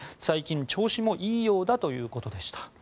最近、調子もいいようだということでした。